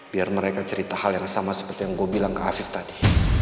biar mereka cerita hal yang sama seperti yang gue bilang ke afif tadi